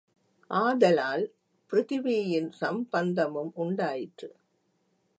ஆதலால் பிருதிவியின் சம்பந்தமும் உண்டாயிற்று.